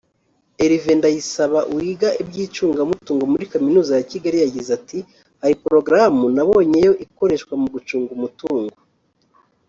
Herve Ndayisaba wiga iby’icungamutungo muri Kminuza ya Kigali yagize ati” hari porogaramu nabonyeyo ikoreshwa mu gucunga umutungo